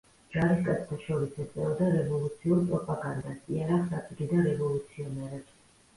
ჯარისკაცთა შორის ეწეოდა რევოლუციურ პროპაგანდას, იარაღს აწვდიდა რევოლუციონერებს.